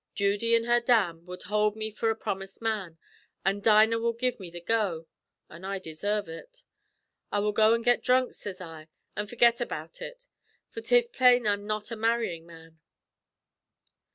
Judy an' her dam will hould me for a promust man, an' Dinah will give me the go, an' I desarve ut. I will go an' get dhrunk,' sez I, 'an' forgit about ut, for 'tis plain I'm not a marryin' man.'